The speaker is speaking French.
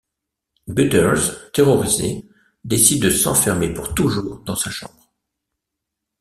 Butters, terrorisé, décide de s'enfermer pour toujours dans sa chambre.